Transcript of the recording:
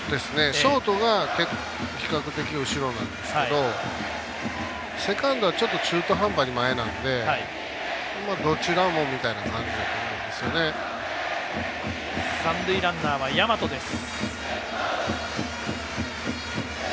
ショートが比較的後ろなんですがセカンドはちょっと中途半端に前なのでどちらも見たいな感じだと三塁ランナーは大和です。